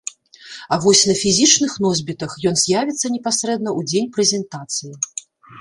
А вось на фізічных носьбітах ён з'явіцца непасрэдна ў дзень прэзентацыі.